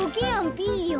ピーヨン。